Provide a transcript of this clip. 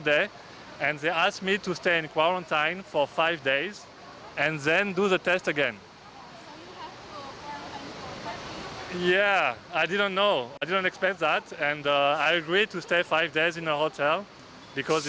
dan saya setuju untuk tinggal lima hari di hotel karena itu untuk alasan keamanan